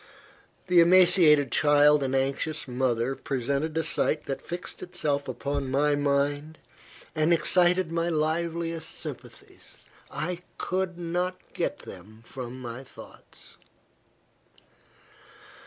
The emaciated child and anxious mother presented a sight that fixed itself upon my mind, and excited my liveliest sympathies. I could not get them from my thoughts.